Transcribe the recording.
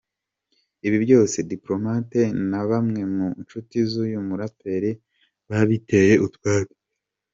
Ibi byose, Diplomate na bamwe mu nshuti z’uyu muraperi babiteye utwatsi.